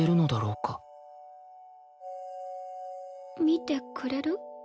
見てくれる？